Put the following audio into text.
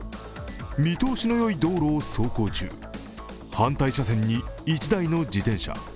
見通しのよい道路を走行中、反対車線に一台の自転車。